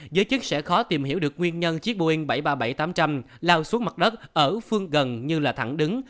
giới chức sẽ khó tìm hiểu được nguyên nhân chiếc boeing bảy trăm ba mươi bảy tám trăm linh lao xuống mặt đất ở phương gần như là thẳng đứng